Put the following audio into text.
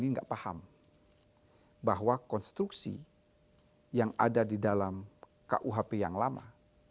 tidak paham bahwa konstruksi yang ada di dalam kuhp yang lama